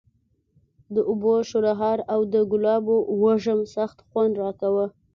د اوبو شرهار او د ګلابو وږم سخت خوند راکاوه.